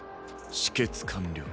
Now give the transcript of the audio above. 止血完了。